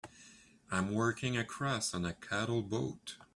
I'm working across on a cattle boat.